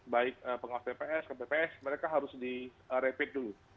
baik pengawas pps kpps mereka harus direpit dulu